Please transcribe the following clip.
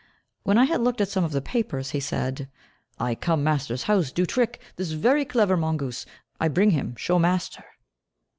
When I had looked at some of the papers, he said, "I come master's house, do trick, this very clever mongoose, I bring him show master."